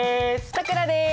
さくらです！